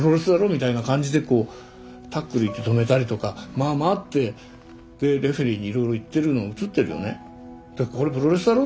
みたいな感じでこうタックルいって止めたりとかまあまあってでレフェリーにいろいろ言ってるの映ってるよね。